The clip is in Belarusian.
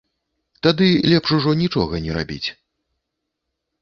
Тады лепш ужо нічога не рабіць.